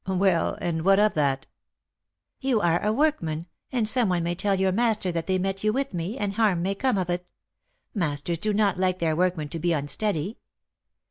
"Well, and what of that?" "You are a workman, and some one may tell your master that they met you with me, and harm may come of it; masters do not like their workmen to be unsteady."